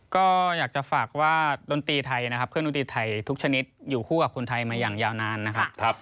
ก็อยากจะฝากว่าดนตรีไทยนะครับเครื่องดนตรีไทยทุกชนิดอยู่คู่กับคนไทยมาอย่างยาวนานนะครับ